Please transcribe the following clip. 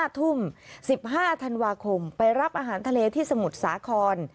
๕ทุ่ม๑๕ธันวาคมไปรับอาหารทะเลที่สมุทรสาคร